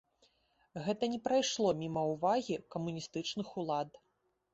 Гэта не прайшло міма ўвагі камуністычных улад.